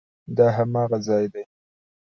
دا هماغه ځای دی؟